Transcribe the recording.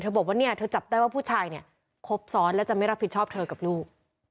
แต่ว่าเธอจับได้ว่าผู้ชายคบสอนและจะไม่รับผิดชอบเธอกับลูก